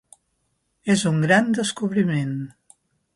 És un gran descobriment.